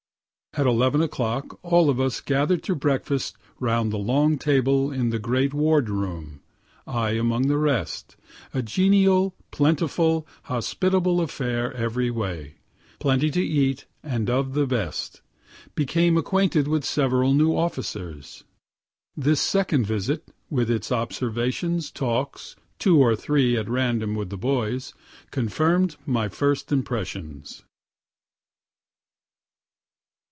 At 11 o'clock all of us gathered to breakfast around a long table in the great ward room I among the rest a genial, plentiful, hospitable affair every way plenty to eat, and of the best; became acquainted with several new officers. This second visit, with its observations, talks, (two or three at random with the boys,) confirm'd my first impressions.